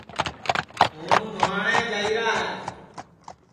ہُوں نھُاٹؔیں جائیرا ہے